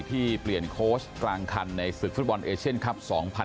ที่เปลี่ยนโค้ชกลางคันในศึกฟุตบอลเอเชียนคลับ๒๐๑๖